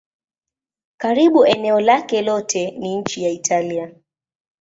Karibu eneo lake lote ni nchi ya Italia.